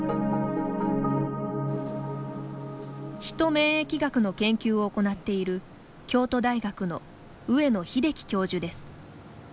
ヒト免疫学の研究を行っている京都大学の上野英樹教授です。